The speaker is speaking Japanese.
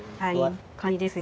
はい。